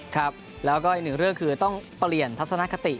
ครับแล้วก็อีกหนึ่งเรื่องคือต้องเปลี่ยนทัศนคติ